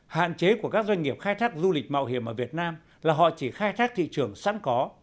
hạn chế của các doanh nghiệp khai thác du lịch mạo hiểm ở việt nam là họ chỉ khai thác thị trường sẵn có